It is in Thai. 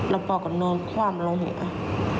แล้วพอก็นอนคว่ำลงหัว